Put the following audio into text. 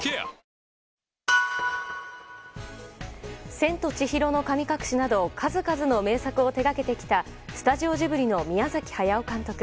「千と千尋の神隠し」など数々の名作を手掛けてきたスタジオジブリの宮崎駿監督。